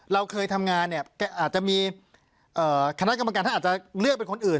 เราเคยทำงานเนี่ยอาจจะมีคณะกรรมการท่านอาจจะเลือกเป็นคนอื่น